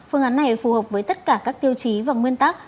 phương án này phù hợp với tất cả các tiêu chí và nguyên tắc